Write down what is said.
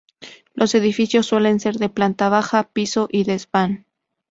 Los edificios suelen ser de planta baja, piso y desván.